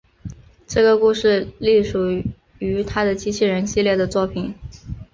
这个故事隶属于他的机器人系列的作品。